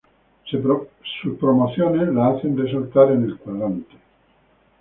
Sus promociones la hacen resaltar en el cuadrante.